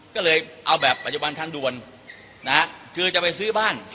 ก็เลยเอาแบบปัจจุบันทันด่วนนะฮะคือจะไปซื้อบ้าน